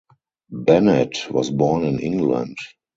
Bennett was born in England.